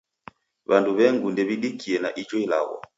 W'andu w'engu ndew'idikie na ijo ilagho.